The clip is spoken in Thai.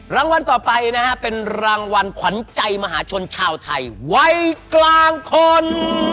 รางวัลต่อไปนะฮะเป็นรางวัลขวัญใจมหาชนชาวไทยวัยกลางคน